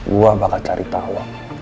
gue bakal cari tahu